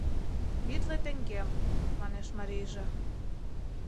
Витле теҥгем, — манеш марийже.